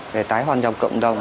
để tái hoàn nhập cộng đồng